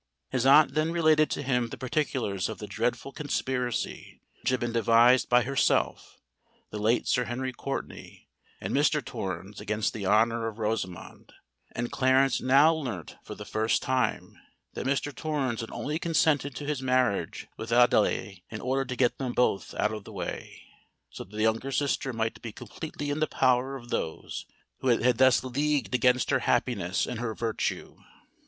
His aunt then related to him the particulars of the dreadful conspiracy which had been devised by herself, the late Sir Henry Courtenay, and Mr. Torrens against the honour of Rosamond; and Clarence now learnt for the first time that Mr. Torrens had only consented to his marriage with Adelais in order to get them both out of the way, so that the younger sister might be completely in the power of those who had thus leagued against her happiness and her virtue.